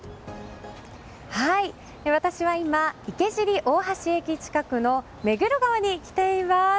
私は今、池尻大橋駅近くの目黒川に来ています。